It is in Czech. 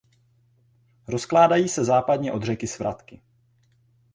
Rozkládají se západně od řeky Svratky.